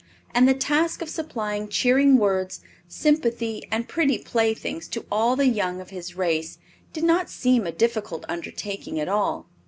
And the task of supplying cheering words, sympathy and pretty playthings to all the young of his race did not seem a difficult undertaking at all.